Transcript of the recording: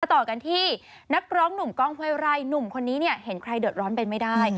ต่อกันที่นักร้องหนุ่มกล้องห้วยไร่หนุ่มคนนี้เนี่ยเห็นใครเดือดร้อนเป็นไม่ได้